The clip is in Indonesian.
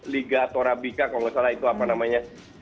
liga torabika kalau tidak salah itu apa namanya